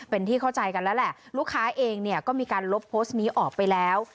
เป็นที่เข้าใจกันแล้วแหละลูกค้าเองเนี่ยก็มีการลบโพสต์นี้ออกไปแล้ว